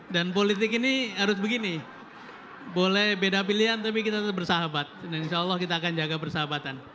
dan politik ini harus begini boleh beda pilihan tapi kita tetap bersahabat insya allah kita akan jaga persahabatan